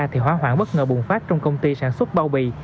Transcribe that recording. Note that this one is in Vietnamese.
thì hóa hoảng bất ngờ bùng phát trong công ty sản xuất bao bì